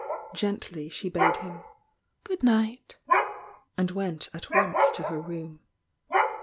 Gently she bade hun "good night" and went at once to her room.